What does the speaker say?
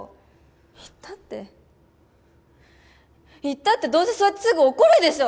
言ったって言ったってどうせそうやってすぐ怒るでしょ！